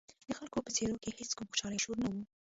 د خلکو په څېرو کې هېڅ کوم خوشحالي او شور نه و.